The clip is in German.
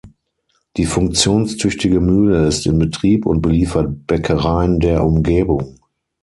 Die funktionstüchtige Mühle ist in Betrieb und beliefert Bäckereien der Umgebung.